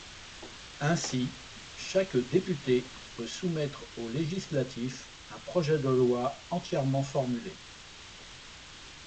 Ainsi, chaque député peut soumettre au législatif un projet de loi entièrement formulé.